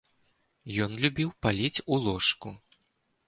Ён любіў паліць у ложку.